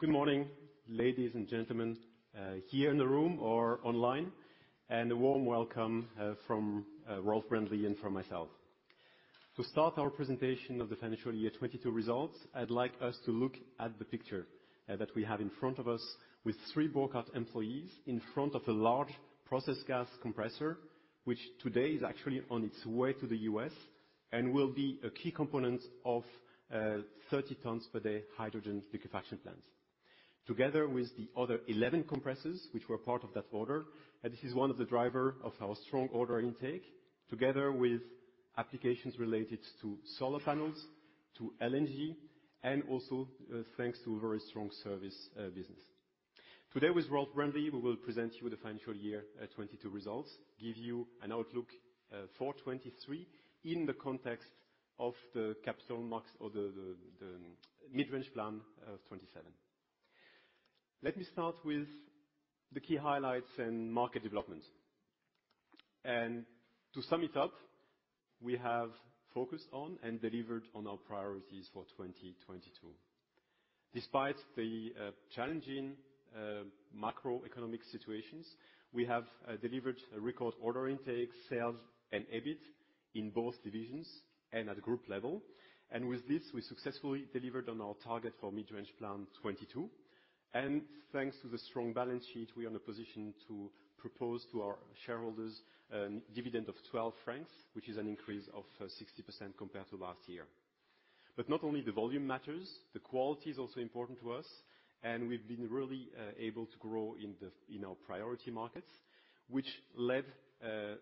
Good morning, ladies and gentlemen, here in the room or online, and a warm welcome from Rolf Brändli and from myself. To start our presentation of the financial year 2022 results, I'd like us to look at the picture that we have in front of us with three Burckhardt employees in front of a large process gas compressor, which today is actually on its way to the U.S., and will be a key component of 30 tons per day hydrogen liquefaction plants. Together with the other 11 compressors, which were part of that order, this is one of the driver of our strong order intake, together with applications related to solar panels, to LNG, and also, thanks to a very strong service business. Today with Rolf Brändli, we will present you with the financial year 2022 results, give you an outlook for 2023, in the context of the Capital Markets Day or the Mid-Range Plan 2027. Let me start with the key highlights and market developments. To sum it up, we have focused on and delivered on our priorities for 2022. Despite the challenging macroeconomic situations, we have delivered a record order intake, sales, and EBIT in both divisions and at group level. With this, we successfully delivered on our target for Mid-Range Plan 2022. Thanks to the strong balance sheet, we are in a position to propose to our shareholders an dividend of 12 francs, which is an increase of 60% compared to last year. Not only the volume matters, the quality is also important to us, and we've been really able to grow in our priority markets, which led a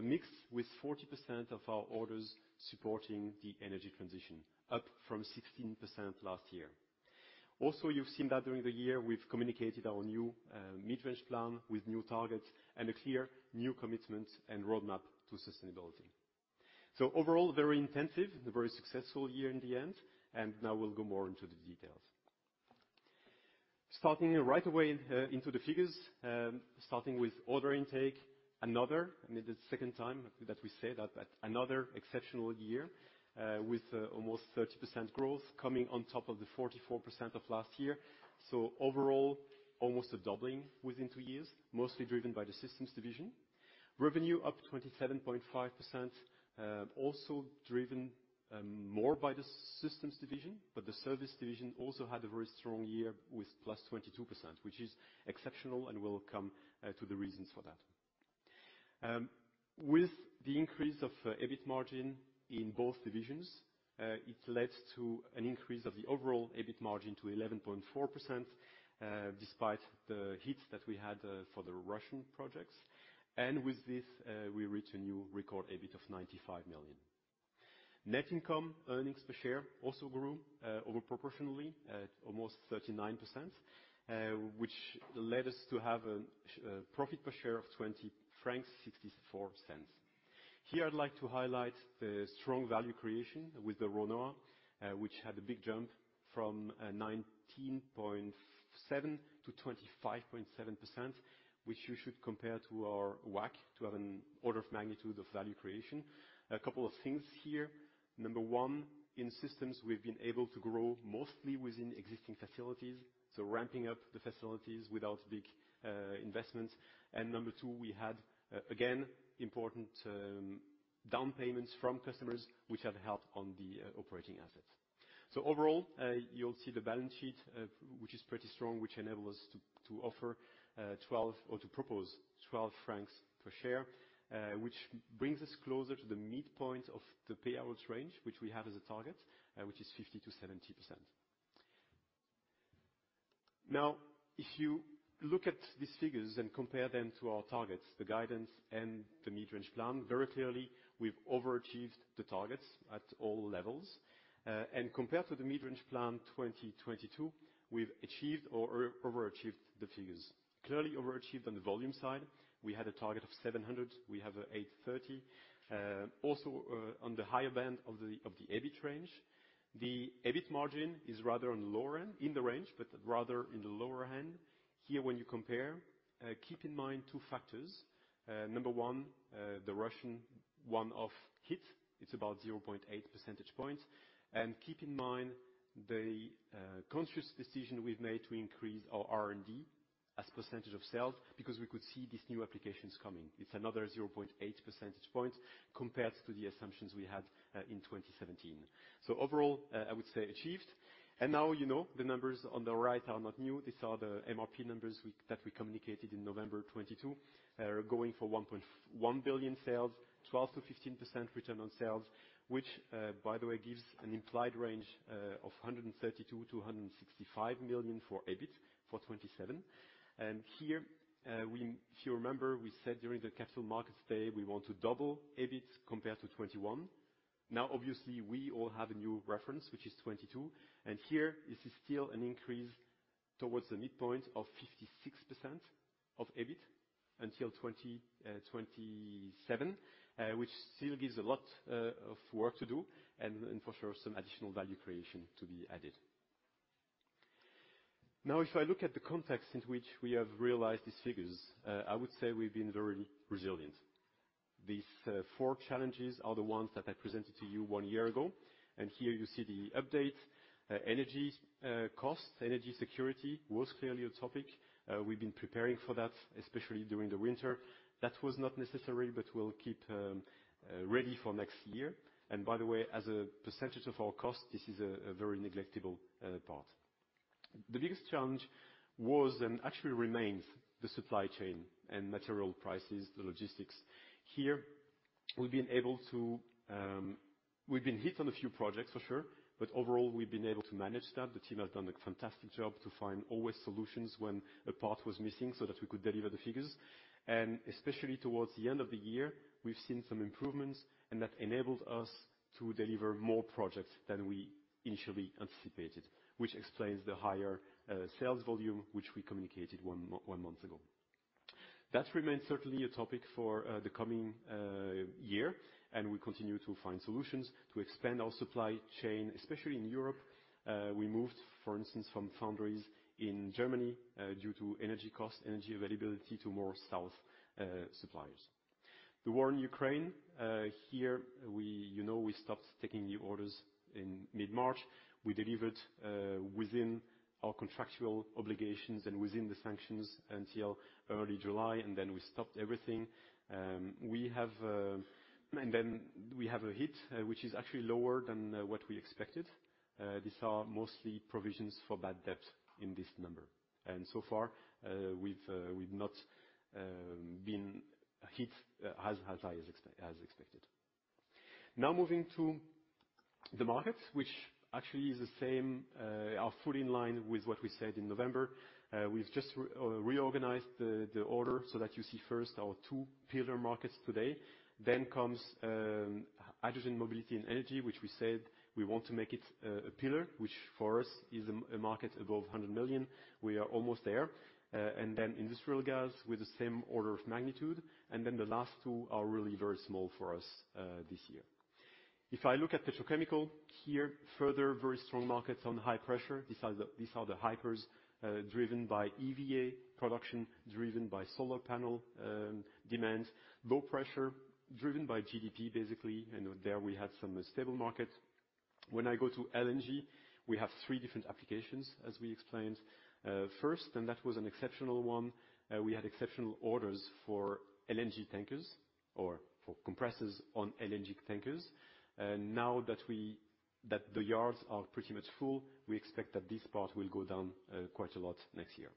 mix with 40% of our orders supporting the energy transition, up from 16% last year. You've seen that during the year, we've communicated our new Mid-Range Plan with new targets and a clear new commitment and roadmap to sustainability. Overall, very intensive, a very successful year in the end, now we'll go more into the details. Starting right away into the figures, starting with order intake. Another, and this is the second time that we say that, another exceptional year with almost 30% growth coming on top of the 44% of last year. Overall, almost a doubling within two years, mostly driven by the systems division. Revenue up 27.5%, also driven more by the systems division, but the service division also had a very strong year with +22%, which is exceptional and we'll come to the reasons for that. With the increase of EBIT margin in both divisions, it led to an increase of the overall EBIT margin to 11.4% despite the hits that we had for the Russian projects. With this, we reached a new record EBIT of 95 million. Net income, earnings per share, also grew over proportionally at almost 39%, which led us to have a profit per share of 20.64 francs. Here, I'd like to highlight the strong value creation with the RONOA, which had a big jump from 19.7%-25.7%, which you should compare to our WACC to have an order of magnitude of value creation. A couple of things here. Number one, in systems, we've been able to grow mostly within existing facilities, so ramping up the facilities without big investments. Number two, we had again important down payments from customers, which have helped on the operating assets. Overall, you'll see the balance sheet, which is pretty strong, which enable us to offer 12 or to propose 12 francs per share, which brings us closer to the midpoint of the payouts range, which we have as a target, which is 50%-70%. If you look at these figures and compare them to our targets, the guidance and the Mid-Range Plan, very clearly, we've overachieved the targets at all levels. Compared to the Mid-Range Plan 2022, we've achieved or overachieved the figures. Clearly overachieved on the volume side. We had a target of 700, we have 830. Also, on the higher band of the EBIT range. The EBIT margin is rather on the lower end, in the range, but rather in the lower end. Here, when you compare, keep in mind two factors. Number one, the Russian one-off hit, it's about 0.8 percentage points. Keep in mind the conscious decision we've made to increase our R&D as percentage of sales, because we could see these new applications coming. It's another 0.8 percentage points compared to the assumptions we had in 2017. Overall, I would say achieved. Now, you know, the numbers on the right are not new. These are the MRP numbers that we communicated in November 2022. We're going for 1.1 billion sales, 12%-15% return on sales, which, by the way, gives an implied range of 132 million-165 million for EBIT for 2027. Here, if you remember, we said during the Capital Markets Day, we want to double EBIT compared to 2021. Obviously, we all have a new reference, which is 2022, and here this is still an increase towards the midpoint of 56% of EBIT until 2027, which still gives a lot of work to do and for sure, some additional value creation to be added. If I look at the context in which we have realized these figures, I would say we've been very resilient. These four challenges are the ones that I presented to you one year ago, and here you see the update. Energy costs, energy security was clearly a topic. We've been preparing for that, especially during the winter. That was not necessary, but we'll keep ready for next year. By the way, as a percentage of our cost, this is a very neglectable part. The biggest challenge was, and actually remains, the supply chain and material prices, the logistics. Here, we've been able to, we've been hit on a few projects for sure, but overall, we've been able to manage that. The team has done a fantastic job to find always solutions when a part was missing, so that we could deliver the figures. Especially towards the end of the year, we've seen some improvements, and that enabled us to deliver more projects than we initially anticipated, which explains the higher sales volume, which we communicated one month ago. That remains certainly a topic for the coming year, and we continue to find solutions to expand our supply chain, especially in Europe. We moved, for instance, from foundries in Germany, due to energy cost, energy availability, to more south suppliers. The war in Ukraine, here, we, you know, we stopped taking new orders in mid-March. We delivered within our contractual obligations and within the sanctions until early July. Then we stopped everything. Then we have a hit, which is actually lower than what we expected. These are mostly provisions for bad debt in this number, and so far, we've not been hit as high as expected. Moving to the markets, which actually is the same, are fully in line with what we said in November. We've just reorganized the order so that you see first our two pillar markets today. comes hydrogen mobility and energy, which we said we want to make it a pillar, which for us, is a market above 100 million. We are almost there. industrial gas with the same order of magnitude, and then the last two are really very small for us this year. If I look at petrochemical, further, very strong markets on high pressure. These are the Hypers, driven by EVA production, driven by solar panel demands. Low pressure, driven by GDP, basically, There we had some stable markets. When I go to LNG, we have three different applications, as we explained. First, that was an exceptional one, we had exceptional orders for LNG tankers or for compressors on LNG tankers. Now that the yards are pretty much full, we expect that this part will go down quite a lot next year.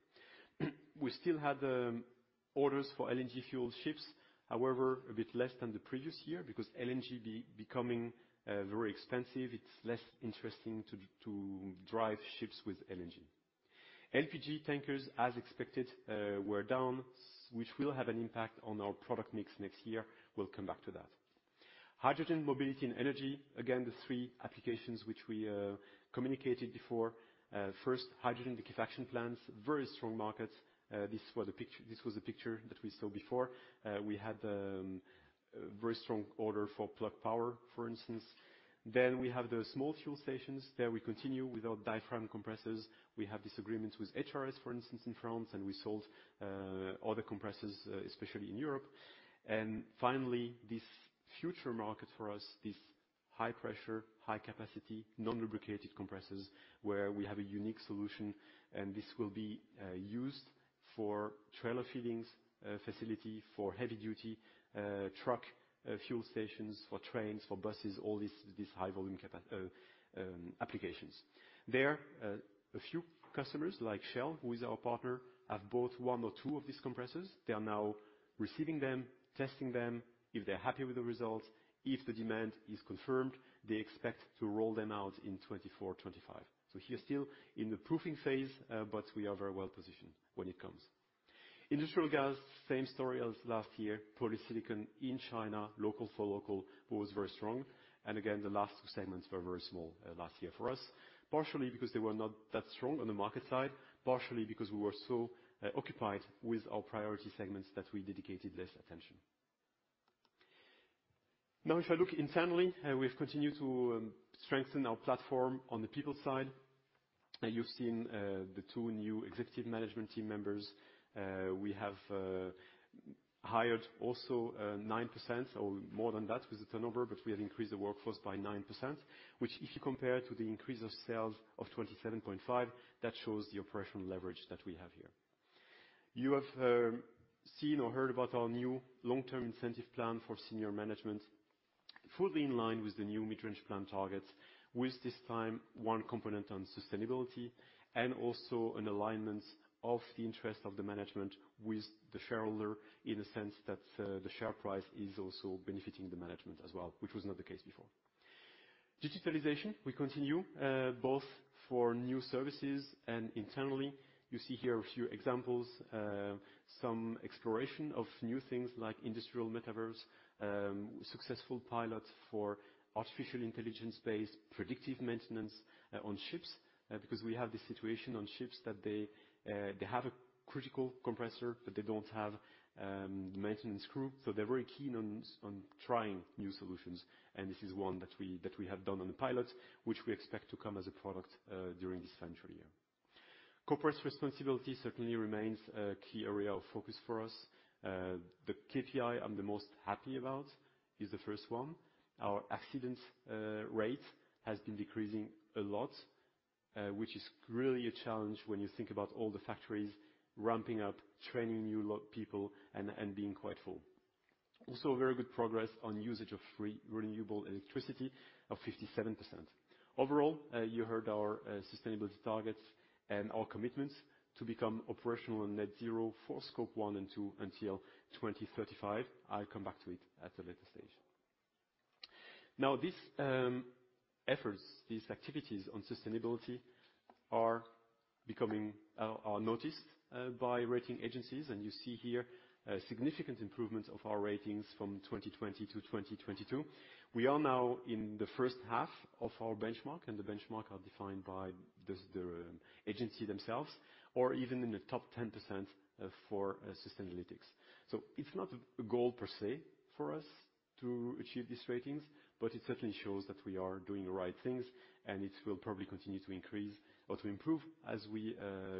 We still had orders for LNG fuel ships. However, a bit less than the previous year, because LNG becoming very expensive, it's less interesting to drive ships with LNG. LPG tankers, as expected, were down, which will have an impact on our product mix next year. We'll come back to that. Hydrogen, mobility, and energy, again, the three applications which we communicated before. First, hydrogen liquefaction plants, very strong markets. This was the picture that we saw before. We had a very strong order for Plug Power, for instance. We have the small fuel stations. There, we continue with our diaphragm compressors. We have disagreements with HRS, for instance, in France, we sold other compressors especially in Europe. Finally, this future market for us, this high pressure, high capacity, non-lubricated compressors, where we have a unique solution, this will be used for trailer filling facility for heavy duty truck fuel stations, for trains, for buses, all these high volume applications. There, a few customers, like Shell, who is our partner, have bought one or two of these compressors. They are now receiving them, testing them. If they're happy with the results, if the demand is confirmed, they expect to roll them out in 2024, 2025. We are still in the proofing phase, we are very well positioned when it comes. Industrial gas, same story as last year. Polysilicon in China, local for local, was very strong. Again, the last two segments were very small last year for us. Partially, because they were not that strong on the market side, partially because we were so occupied with our priority segments that we dedicated less attention. Now, if I look internally, we've continued to strengthen our platform on the people side. You've seen the two new executive management team members. We have hired also 9% or more than that with the turnover, but we have increased the workforce by 9%, which, if you compare to the increase of sales of 27.5%, that shows the operational leverage that we have here. You have seen or heard about our new long-term incentive plan for senior management, fully in line with the new Mid-Range Plan targets, with this time, one component on sustainability, and also an alignment of the interest of the management with the shareholder, in the sense that the share price is also benefiting the management as well, which was not the case before. Digitalization, we continue both for new services and internally. You see here a few examples, some exploration of new things like industrial metaverse, successful pilots for artificial intelligence-based predictive maintenance on ships. Because we have this situation on ships that they have a critical compressor, but they don't have the maintenance crew, so they're very keen on trying new solutions. This is one that we have done on the pilot, which we expect to come as a product during this financial year. Corporate responsibility certainly remains a key area of focus for us. The KPI I'm the most happy about is the first one. Our accident rate has been decreasing a lot, which is really a challenge when you think about all the factories ramping up, training new people and being quite full. Also, very good progress on usage of free renewable electricity of 57%. Overall, you heard our sustainability targets and our commitments to become operational and net zero for Scope one and two until 2035. I'll come back to it at a later stage. These efforts, these activities on sustainability are becoming are noticed by rating agencies. You see here a significant improvement of our ratings from 2020 to 2022. We are now in the first half of our benchmark. The benchmark are defined by the agency themselves, or even in the top 10% for Sustainalytics. It's not a goal per se for us to achieve these ratings, but it certainly shows that we are doing the right things, and it will probably continue to increase or to improve as we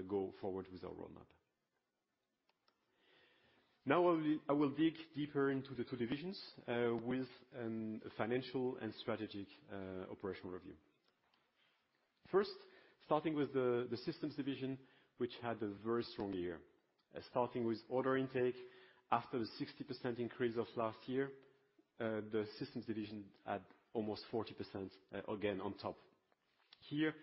go forward with our roadmap. I will dig deeper into the two divisions with financial and strategic operational review. First, starting with the systems division, which had a very strong year. Starting with order intake, after the 60% increase of last year, the systems division add almost 40% again on top. Here,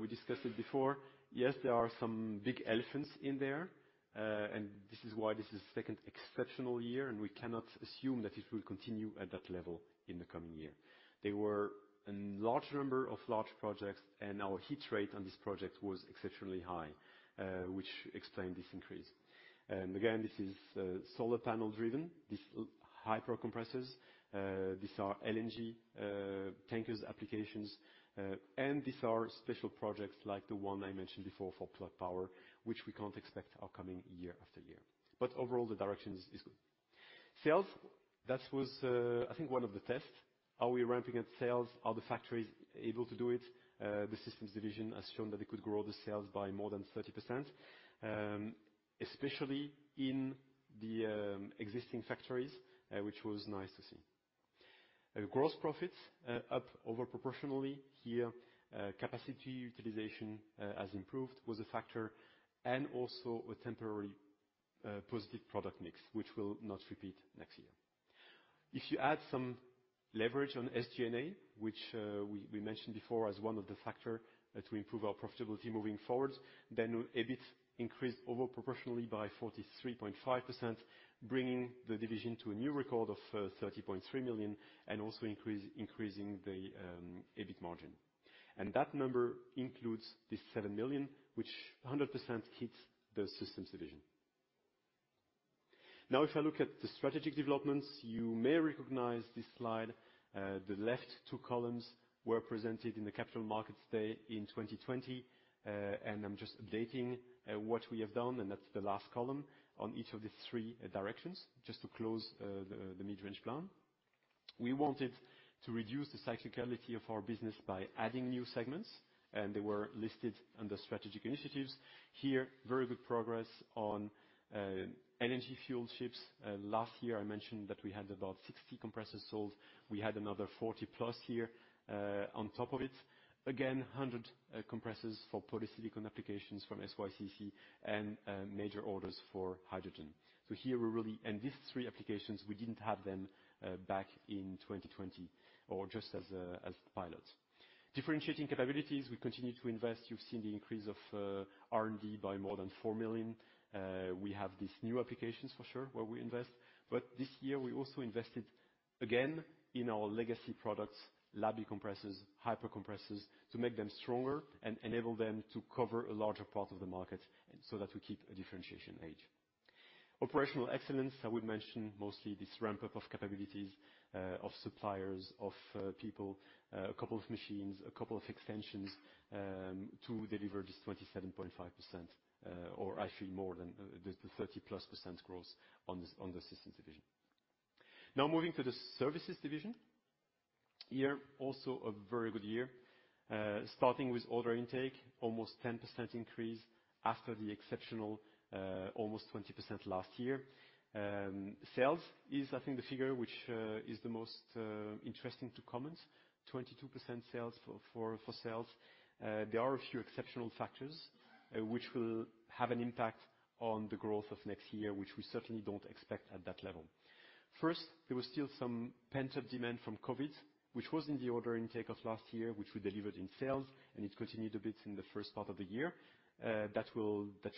we discussed it before, yes, there are some big elephants in there. This is why this is the second exceptional year. We cannot assume that it will continue at that level in the coming year. There were a large number of large projects. Our hit rate on this project was exceptionally high, which explained this increase. Again, this is solar panel driven, these Hyper Compressors. These are LNG tankers applications. These are special projects like the one I mentioned before for Plug Power, which we can't expect are coming year after year. Overall, the direction is good. Sales, that was, I think one of the tests. Are we ramping up sales? Are the factories able to do it? The systems division has shown that they could grow the sales by more than 30%, especially in the existing factories, which was nice to see. Gross profits up over proportionally. Here, capacity utilization has improved with the factor and also a temporary positive product mix, which will not repeat next year. If you add some leverage on SG&A, which we mentioned before as one of the factor to improve our profitability moving forward, EBIT increased over proportionally by 43.5%, bringing the division to a new record of 30.3 million, and also increasing the EBIT margin. That number includes this 7 million, which 100% hits the systems division. Now, if I look at the strategic developments, you may recognize this slide. The left two columns were presented in the Capital Markets Day in 2020. I'm just updating what we have done, and that's the last column on each of the three directions, just to close the Mid-Range Plan. We wanted to reduce the cyclicality of our business by adding new segments, and they were listed under strategic initiatives. Here, very good progress on LNG-fuelled ships. Last year, I mentioned that we had about 60 compressors sold. We had another 40+ here on top of it. Again, 100 compressors for polysilicon applications from SYCC and major orders for hydrogen. Here, we're really. These three applications, we didn't have them back in 2020, or just as a pilot. Differentiating capabilities, we continue to invest. You've seen the increase of R&D by more than 4 million. We have these new applications for sure, where we invest. This year, we also invested again in our legacy products, Laby compressors, Hyper Compressors, to make them stronger and enable them to cover a larger part of the market, so that we keep a differentiation edge. Operational excellence, I would mention mostly this ramp-up of capabilities, of suppliers, of people, a couple of machines, a couple of extensions, to deliver this 27.5%, or actually more than the 30%+ growth on the systems division. Moving to the services division. Here, also a very good year. Starting with order intake, almost 10% increase after the exceptional, almost 20% last year. Sales is, I think, the figure which is the most interesting to comment. 22% sales for sales. There are a few exceptional factors which will have an impact on the growth of next year, which we certainly don't expect at that level. First, there was still some pent-up demand from COVID, which was in the order intake of last year, which we delivered in sales, and it continued a bit in the first part of the year. That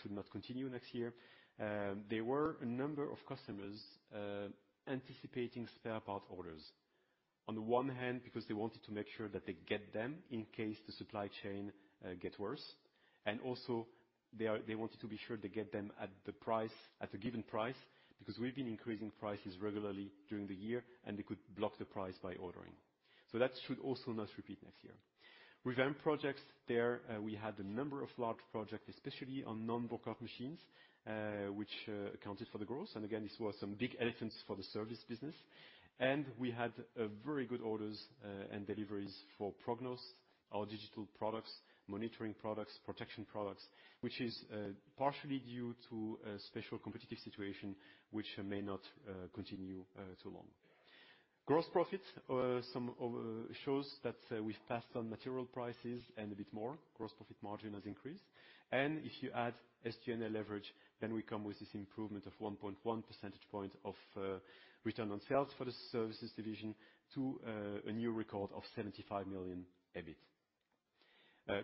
should not continue next year. There were a number of customers anticipating spare part orders. On the one hand, because they wanted to make sure that they get them in case the supply chain, get worse, and also they wanted to be sure they get them at the price, at a given price, because we've been increasing prices regularly during the year, and they could block the price by ordering. That should also not repeat next year. Revamp projects, there, we had a number of large projects, especially on non-Burckhardt machines, which accounted for the growth. Again, this was some big elephants for the service business. We had very good orders and deliveries for PROGNOST, our digital products, monitoring products, protection products, which is partially due to a special competitive situation, which may not continue too long. Gross profit, some of, shows that we've passed on material prices and a bit more. Gross profit margin has increased. If you add SG&A leverage, then we come with this improvement of 1.1 percentage points of return on sales for the services division to a new record of 75 million EBIT.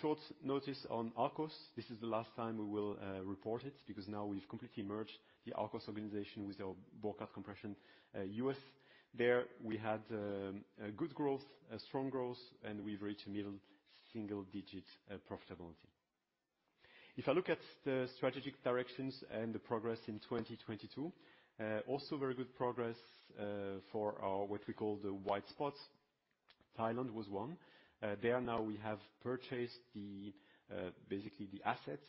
Short notice on Arkos. This is the last time we will report it, because now we've completely merged the Arkos organization with our Burckhardt Compression, U.S. There, we had a good growth, a strong growth, and we've reached a middle single digit profitability. If I look at the strategic directions and the progress in 2022, also very good progress for our, what we call the white spots. Thailand was one. Now we have purchased the, basically, the assets,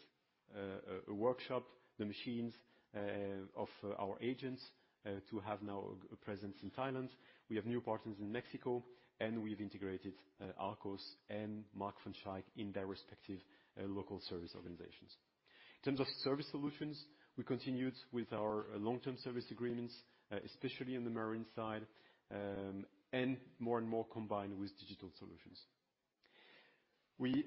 a workshop, the machines, of our agents, to have now a presence in Thailand. We have new partners in Mexico. We've integrated Arkos and Mark van Schaick in their respective local service organizations. In terms of service solutions, we continued with our long-term service agreements, especially in the marine side, and more and more combined with digital solutions. We,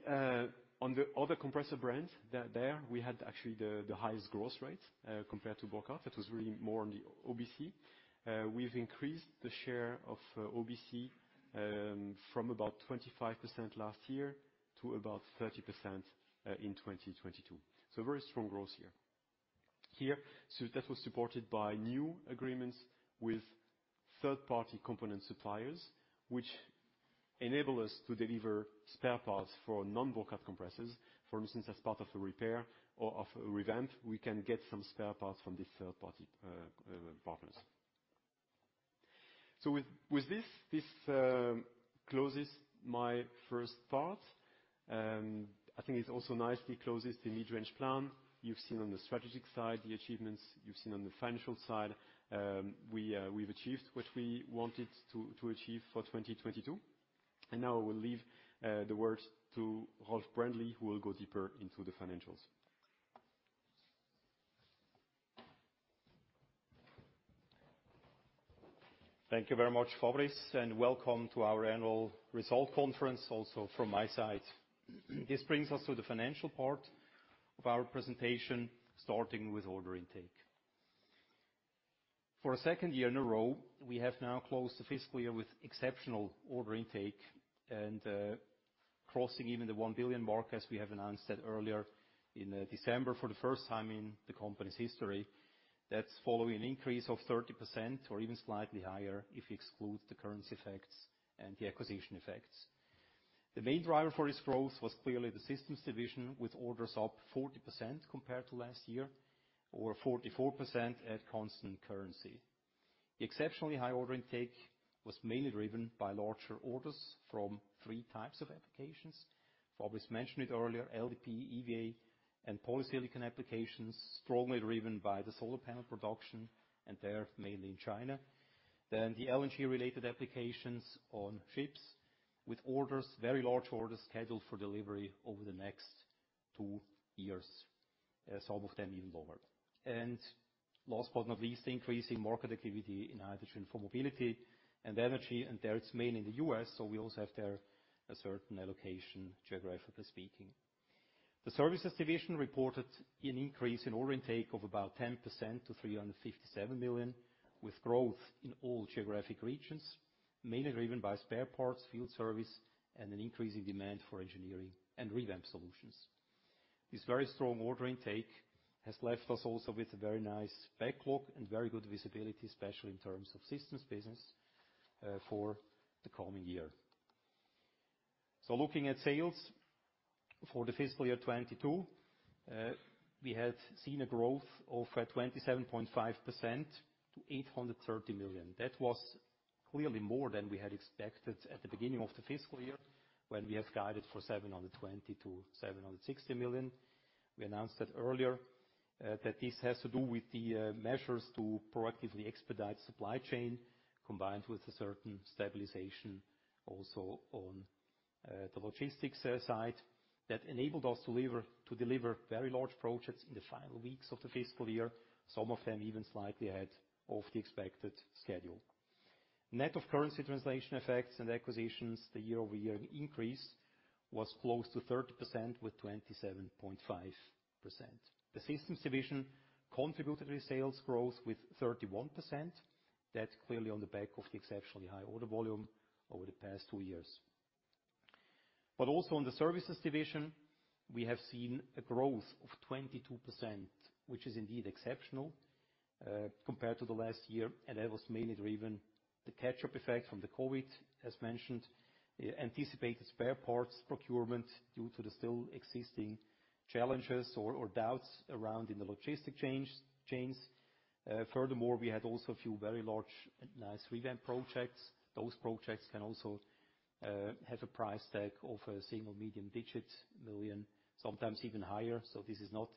on the other compressor brands, there, we had actually the highest growth rates, compared to Burckhardt. That was really more on the OBC. We've increased the share of OBC from about 25% last year to about 30% in 2022. Very strong growth here. Here, that was supported by new agreements with third-party component suppliers, which enable us to deliver spare parts for non-Burckhardt compressors. For instance, as part of a repair or of a revamp, we can get some spare parts from these third party partners. With this, closes my first part. I think it also nicely closes the Mid-Range Plan. You've seen on the strategic side, the achievements. You've seen on the financial side. We've achieved what we wanted to achieve for 2022, and now I will leave the words to Rolf Brändli, who will go deeper into the financials. Thank you very much, Fabrice, and welcome to our annual result conference, also from my side. This brings us to the financial part of our presentation, starting with order intake. For a second year in a row, we have now closed the fiscal year with exceptional order intake and crossing even the 1 billion mark, as we have announced that earlier in December for the first time in the company's history. That's following an increase of 30%, or even slightly higher, if you exclude the currency effects and the acquisition effects. The main driver for this growth was clearly the Systems division, with orders up 40% compared to last year, or 44% at constant currency. The exceptionally high order intake was mainly driven by larger orders from three types of applications. Fabrice mentioned it earlier, LDPE, EVA, and polysilicon applications, strongly driven by the solar panel production, and there, mainly in China. The LNG-related applications on ships, with orders, very large orders, scheduled for delivery over the next two years, as some of them even lower. Last but not least, increasing market activity in hydrogen for mobility and energy, and there, it's mainly in the U.S., so we also have there a certain allocation, geographically speaking. The services division reported an increase in order intake of about 10% to 357 million, with growth in all geographic regions, mainly driven by spare parts, field service, and an increase in demand for engineering and revamp solutions. This very strong order intake has left us also with a very nice backlog and very good visibility, especially in terms of systems business for the coming year. Looking at sales for the fiscal year 2022, we had seen a growth of 27.5% to 830 million. That was clearly more than we had expected at the beginning of the fiscal year, when we have guided for 720 million-760 million. We announced that earlier that this has to do with the measures to proactively expedite supply chain, combined with a certain stabilization also on the logistics side. That enabled us to deliver very large projects in the final weeks of the fiscal year, some of them even slightly ahead of the expected schedule. Net of currency translation effects and acquisitions, the year-over-year increase was close to 30%, with 27.5%. The systems division contributed to the sales growth with 31%. That's clearly on the back of the exceptionally high order volume over the past two years. Also in the services division, we have seen a growth of 22%, which is indeed exceptional compared to the last year, and that was mainly driven the catch-up effect from the COVID, as mentioned, anticipated spare parts procurement due to the still existing challenges or doubts around in the logistic chains. Furthermore, we had also a few very large and nice revamp projects. Those projects can also have a price tag of a CHF single medium digit million, sometimes even higher. This is not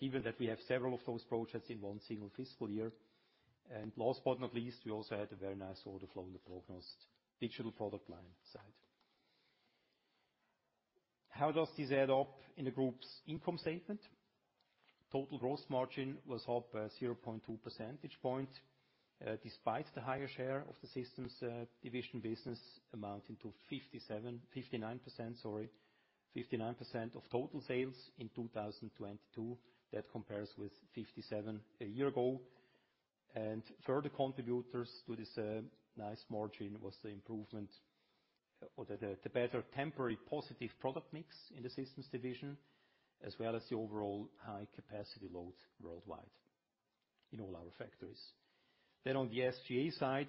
given that we have several of those projects in one single fiscal year. Last but not least, we also had a very nice order flow in the forecast digital product line side. How does this add up in the group's income statement? Total gross margin was up by 0.2 percentage point despite the higher share of the systems division business amounting to 59%, sorry. 59% of total sales in 2022, that compares with 57% a year ago. Further contributors to this nice margin was the improvement or the better temporary positive product mix in the systems division, as well as the overall high capacity load worldwide in all our factories. On the SG&A side,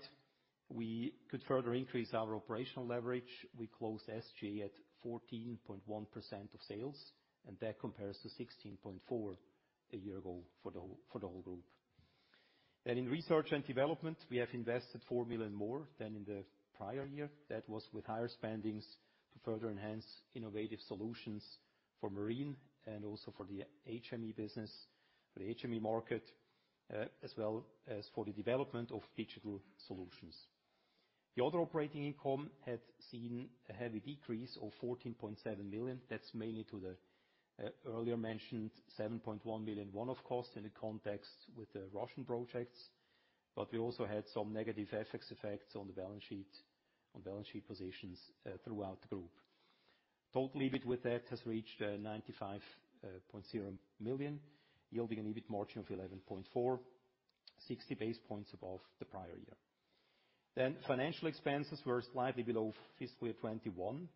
we could further increase our operational leverage. We closed SG&A at 14.1% of sales, and that compares to 16.4% a year ago for the whole group. In research and development, we have invested 4 million more than in the prior year. That was with higher spendings to further enhance innovative solutions for marine and also for the HME business, for the HME market, as well as for the development of digital solutions. The other operating income had seen a heavy decrease of 14.7 million. That's mainly to the earlier mentioned 7.1 million, one-off cost in the context with the Russian projects, but we also had some negative FX effects on the balance sheet, on balance sheet positions throughout the group. Total EBIT with that has reached 95.0 million, yielding an EBIT margin of 11.4%, 60 basis points above the prior year. Financial expenses were slightly below fiscally at 21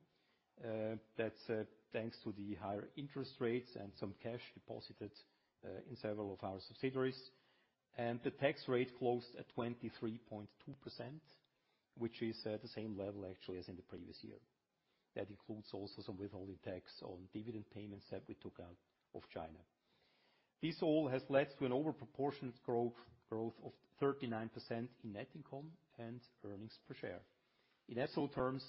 million. That's thanks to the higher interest rates and some cash deposited in several of our subsidiaries. The tax rate closed at 23.2%, which is the same level actually as in the previous year. That includes also some withholding tax on dividend payments that we took out of China. This all has led to an overproportionate growth of 39% in net income and earnings per share. In absolute terms,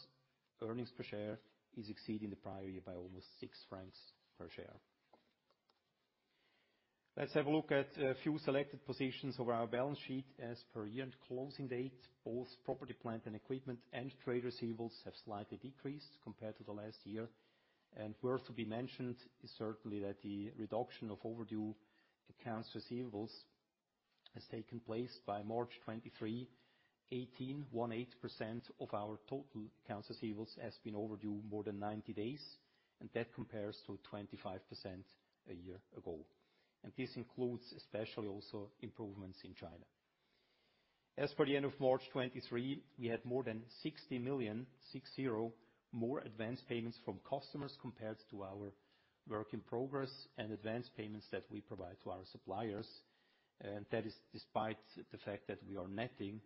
earnings per share is exceeding the prior year by almost 6 francs per share. Let's have a look at a few selected positions of our balance sheet as per year-end closing date. Both property, plant, and equipment and trade receivables have slightly decreased compared to the last year. Worth to be mentioned is certainly that the reduction of overdue accounts receivables has taken place. By March 2023, 18.18% of our total accounts receivables has been overdue more than 90 days. That compares to 25% a year ago. This includes especially also improvements in China. As for the end of March 2023, we had more than 60 million more advanced payments from customers compared to our work in progress and advanced payments that we provide to our suppliers. That is despite the fact that we are netting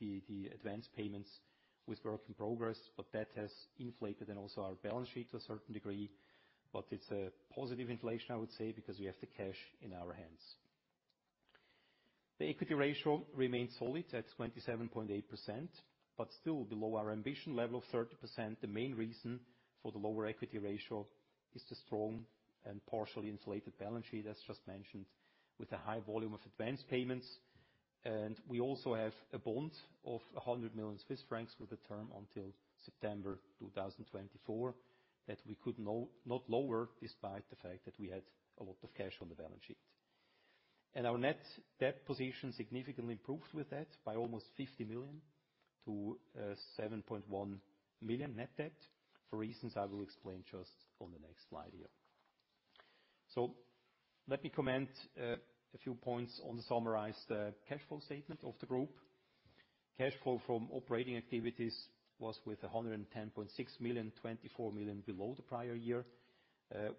the advanced payments with work in progress, but that has inflated and also our balance sheet to a certain degree, but it's a positive inflation, I would say, because we have the cash in our hands. The equity ratio remains solid at 27.8%, but still below our ambition level of 30%. The main reason for the lower equity ratio is the strong and partially insulated balance sheet, as just mentioned, with a high volume of advanced payments. We also have a bond of 100 million Swiss francs with the term until September 2024, that we could not lower, despite the fact that we had a lot of cash on the balance sheet. Our net debt position significantly improved with that by almost 50 million to 7.1 million net debt, for reasons I will explain just on the next slide here. Let me comment a few points on the summarized cash flow statement of the group. Cash flow from operating activities was with 110.6 million, 24 million below the prior year,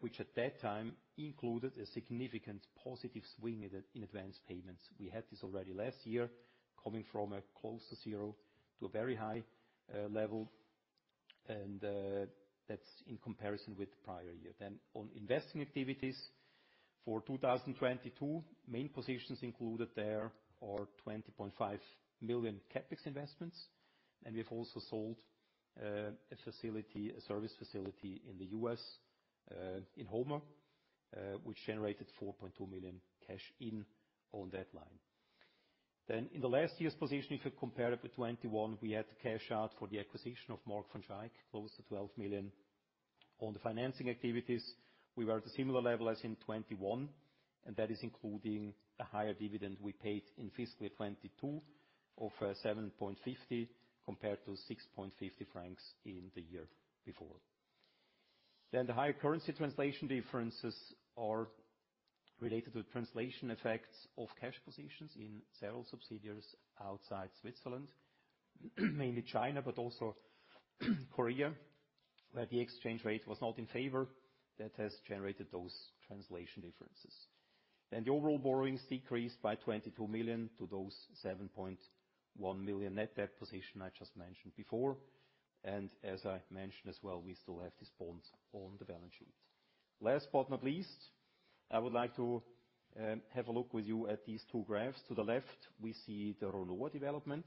which at that time included a significant positive swing in advanced payments. We had this already last year, coming from a close to zero to a very high level, that's in comparison with the prior year. On investing activities for 2022, main positions included there are 20.5 million CapEx investments, and we've also sold a facility, a service facility in the U.S., in Homer, which generated 4.2 million cash in on that line. In the last year's position, if you compare it with 2021, we had to cash out for the acquisition of Mark van Schaick, close to 12 million. On the financing activities, we were at a similar level as in 2021. That is including the higher dividend we paid in fiscally 2022 of 7.50 compared to 6.50 francs in the year before. The higher currency translation differences are related to translation effects of cash positions in several subsidiaries outside Switzerland, mainly China, but also Korea, where the exchange rate was not in favor. That has generated those translation differences. The overall borrowings decreased by 22 million to those 7.1 million net debt position I just mentioned before. As I mentioned as well, we still have this bond on the balance sheet. Last but not least, I would like to have a look with you at these two graphs. To the left, we see the RONOA development.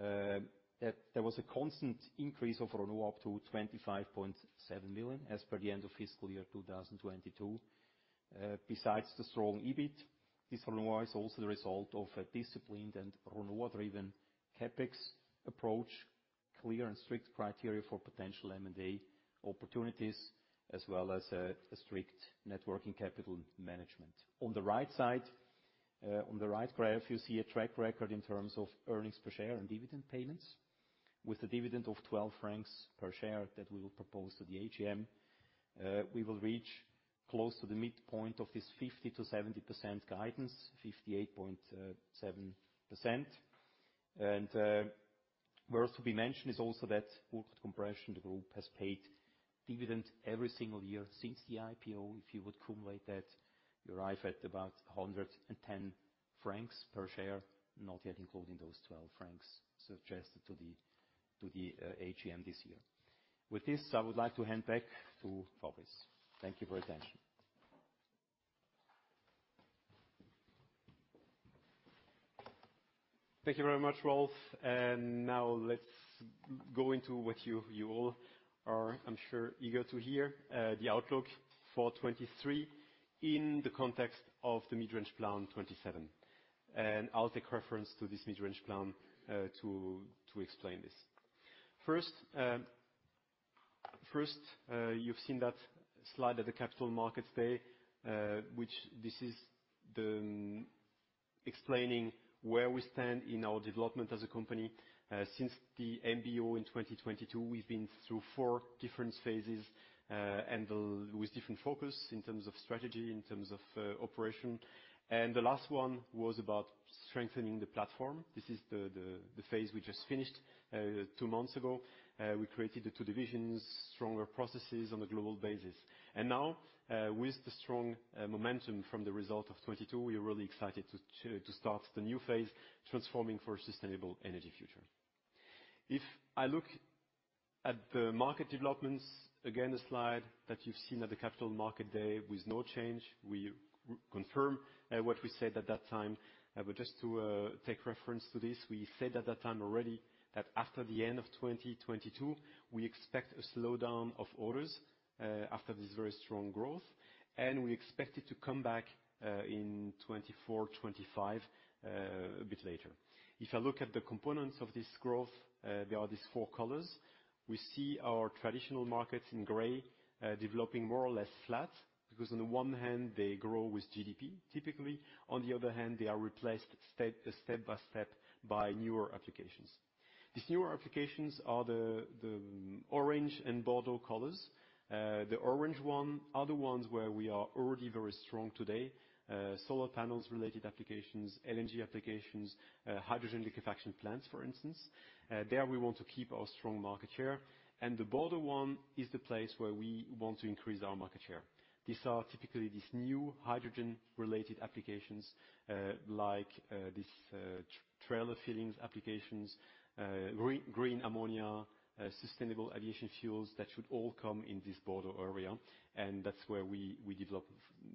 That there was a constant increase of RONOA up to 25.7 million as per the end of fiscal year 2022. Besides the strong EBIT, this RONOA is also the result of a disciplined and RONOA-driven CapEx approach, clear and strict criteria for potential M&A opportunities, as well as a strict networking capital management. On the right side, on the right graph, you see a track record in terms of earnings per share and dividend payments. With a dividend of 12 francs per share that we will propose to the AGM, we will reach close to the midpoint of this 50%-70% guidance, 58.7%. Worth to be mentioned is also that compression, the group has paid dividend every single year since the IPO. If you would accumulate that, you arrive at about 110 francs per share, not yet including those 12 francs suggested to the AGM this year. With this, I would like to hand back to Fabrice. Thank you for your attention. Thank you very much, Rolf. Now let's go into what you all are, I'm sure, eager to hear, the outlook for 2023 in the context of the Mid-Range Plan 2027. I'll take reference to this Mid-Range Plan to explain this. First, you've seen that slide at the Capital Markets Day, which this is the explaining where we stand in our development as a company. Since the MBO in 2022, we've been through four different phases, and with different focus in terms of strategy, in terms of operation. The last one was about strengthening the platform. This is the phase we just finished two months ago. We created the two divisions, stronger processes on a global basis. Now, with the strong momentum from the result of 2022, we are really excited to start the new phase, transforming for a sustainable energy future. If I look at the market developments, again, a slide that you've seen at the Capital Markets Day with no change, we confirm what we said at that time. Just to take reference to this, we said at that time already, that after the end of 2022, we expect a slowdown of orders after this very strong growth, and we expect it to come back in 2024, 2025 a bit later. If I look at the components of this growth, there are these four colors. We see our traditional markets in gray, developing more or less flat, because on the one hand, they grow with GDP, typically. On the other hand, they are replaced step by step by newer applications. These newer applications are the orange and border colors. The orange one are the ones where we are already very strong today, solar panels related applications, LNG applications, hydrogen liquefaction plants, for instance. There, we want to keep our strong market share, and the border one is the place where we want to increase our market share. These are typically these new hydrogen-related applications, like these trailer filling applications, green ammonia, sustainable aviation fuels, that should all come in this border area, and that's where we develop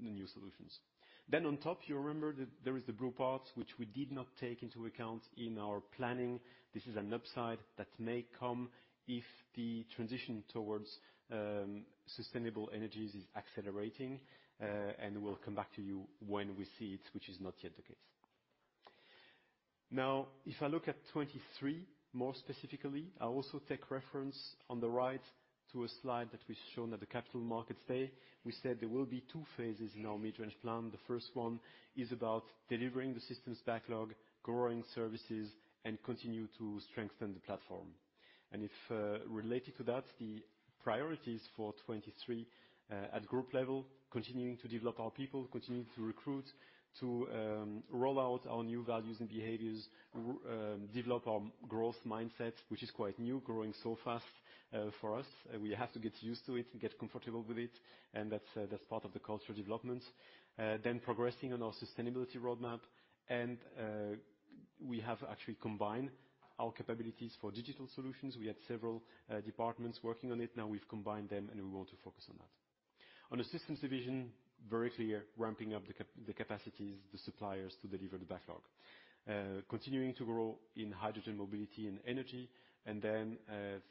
the new solutions. On top, you remember that there is the blue part, which we did not take into account in our planning. This is an upside that may come if the transition towards sustainable energies is accelerating, and we'll come back to you when we see it, which is not yet the case. If I look at 2023, more specifically, I also take reference on the right to a slide that we've shown at the Capital Markets Day. We said there will be two phases in our Mid-Range Plan. The first one is about delivering the systems backlog, growing services, and continue to strengthen the platform. If related to that, the priorities for 2023 at group level, continuing to develop our people, continuing to recruit, to roll out our new values and behaviors, develop our growth mindset, which is quite new, growing so fast for us. We have to get used to it and get comfortable with it, that's part of the cultural development. Then progressing on our sustainability roadmap, we have actually combined our capabilities for digital solutions. We had several departments working on it. Now we've combined them, we want to focus on that. On the systems division, very clear, ramping up the capacities, the suppliers to deliver the backlog. Continuing to grow in hydrogen mobility and energy,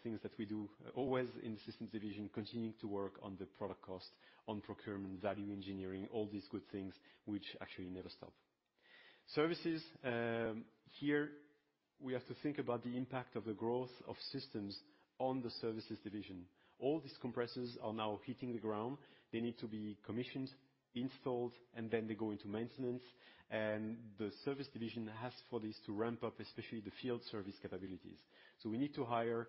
things that we do always in the systems division, continuing to work on the product cost, on procurement, value engineering, all these good things, which actually never stop. Services, here, we have to think about the impact of the growth of systems on the services division. All these compressors are now hitting the ground. They need to be commissioned, installed, and then they go into maintenance, and the service division has for this to ramp up, especially the field service capabilities. We need to hire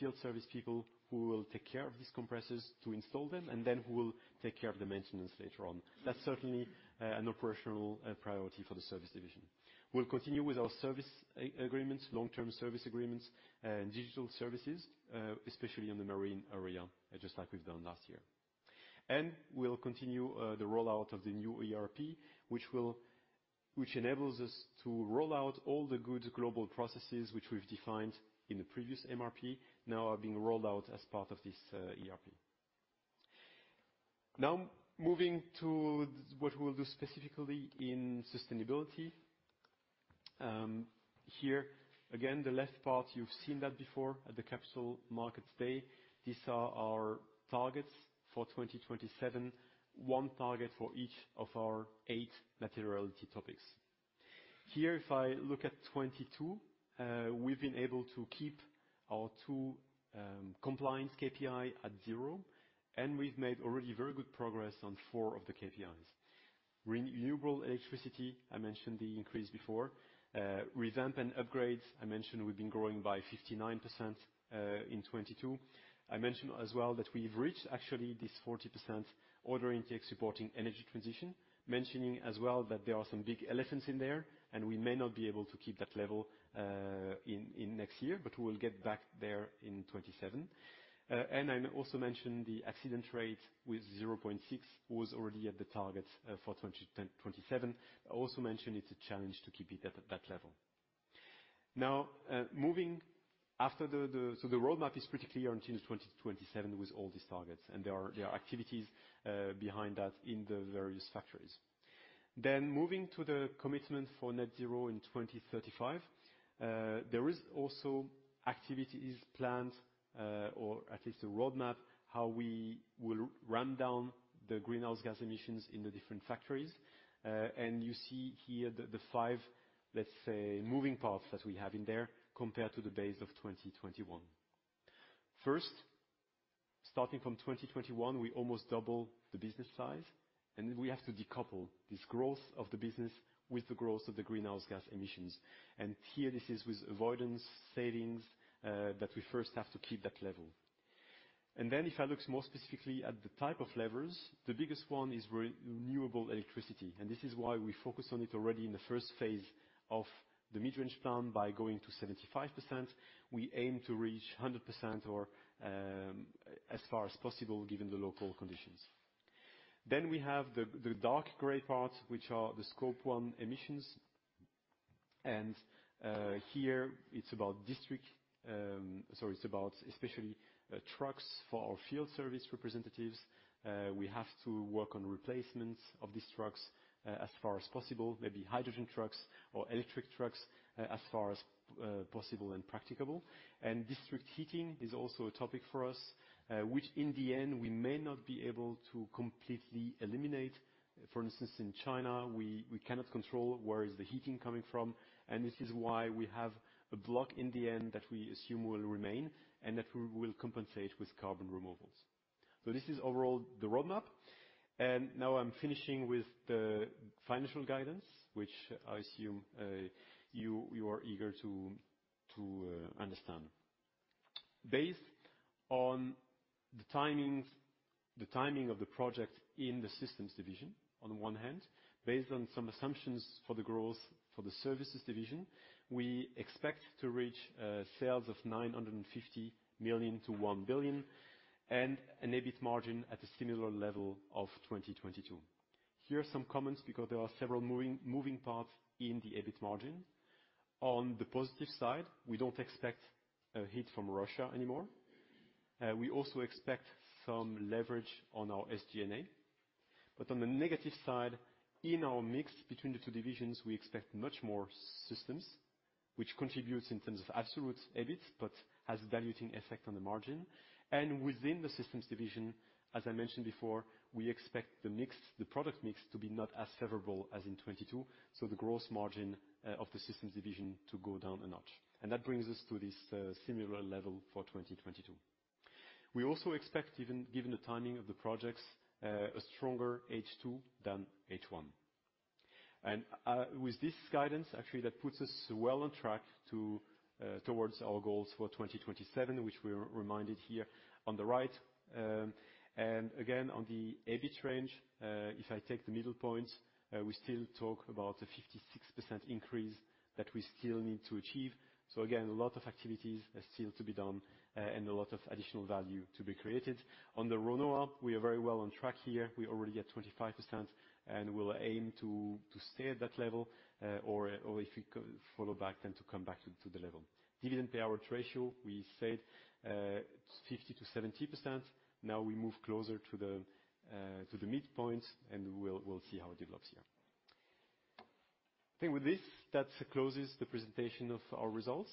field service people who will take care of these compressors to install them, and then who will take care of the maintenance later on. That's certainly an operational priority for the service division. We'll continue with our service agreements, long-term service agreements, and digital services, especially in the marine area, just like we've done last year. We'll continue the rollout of the new ERP, which enables us to roll out all the good global processes which we've defined in the previous MRP, now are being rolled out as part of this ERP. Moving to what we'll do specifically in sustainability. Here, again, the left part, you've seen that before at the Capital Markets Day. These are our targets for 2027. One target for each of our eight materiality topics. Here, if I look at 2022, we've been able to keep our two compliance KPI at zero, and we've made already very good progress on four of the KPIs. Renewable electricity, I mentioned the increase before. Revamp and upgrades, I mentioned we've been growing by 59% in 2022. I mentioned as well that we've reached actually this 40% order intake supporting energy transition, mentioning as well that there are some big elephants in there, and we may not be able to keep that level in next year, but we will get back there in 2027. I also mentioned the accident rate with 0.6% was already at the target for 2027. I also mentioned it's a challenge to keep it at that level. Moving after the roadmap is pretty clear until 2027 with all these targets, and there are activities behind that in the various factories. Moving to the commitment for net zero in 2035, there is also activities planned or at least a roadmap, how we will run down the greenhouse gas emissions in the different factories. You see here the five, let's say, moving parts that we have in there compared to the base of 2021. First, starting from 2021, we almost double the business size, and we have to decouple this growth of the business with the growth of the greenhouse gas emissions. Here, this is with avoidance, savings, that we first have to keep that level. Then if I look more specifically at the type of levers, the biggest one is renewable electricity, and this is why we focus on it already in the first phase of the Mid-Range Plan by going to 75%. We aim to reach 100% or, as far as possible, given the local conditions. We have the dark gray parts, which are the Scope one emissions. Here, it's about especially, trucks for our field service representatives. We have to work on replacements of these trucks, as far as possible, maybe hydrogen trucks or electric trucks, as far as possible and practicable. District heating is also a topic for us, which in the end, we may not be able to completely eliminate. For instance, in China, we cannot control where is the heating coming from, and this is why we have a block in the end that we assume will remain and that we will compensate with carbon removals. This is overall the roadmap, and now I'm finishing with the financial guidance, which I assume you are eager to understand. Based on the timings, the timing of the project in the systems division, on one hand, based on some assumptions for the growth for the services division, we expect to reach sales of 950 million to 1 billion and an EBIT margin at a similar level of 2022. Here are some comments because there are several moving parts in the EBIT margin. On the positive side, we don't expect a hit from Russia anymore. We also expect some leverage on our SG&A. On the negative side, in our mix between the two divisions, we expect much more systems, which contributes in terms of absolute EBIT, but has a diluting effect on the margin. Within the systems division, as I mentioned before, we expect the mix, the product mix, to be not as favorable as in 2022, so the gross margin of the systems division to go down a notch. That brings us to this similar level for 2022. We also expect, even given the timing of the projects, a stronger H2 than H1. With this guidance, actually, that puts us well on track to towards our goals for 2027, which we are reminded here on the right. Again, on the EBIT range, if I take the middle point, we still talk about a 56% increase that we still need to achieve. Again, a lot of activities are still to be done, and a lot of additional value to be created. On the RONOA, we are very well on track here. We already get 25%, and we'll aim to stay at that level, or if we go follow back, then to come back to the level. Dividend payout ratio, we said 50%-70%. We move closer to the midpoint, and we'll see how it develops here. I think with this, that closes the presentation of our results.